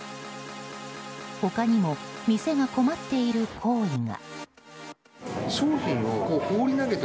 他にも、店が困っている行為が。